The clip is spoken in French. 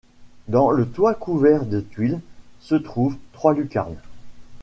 Dans le toit couvert de tuiles se trouvent trois lucarnes.